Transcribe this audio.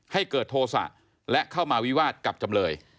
ให้เกิดโทษะและเข้ามาวิวาสกับจำเลย